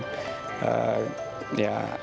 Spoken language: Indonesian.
ya alhamdulillah kita dijadikan jodoh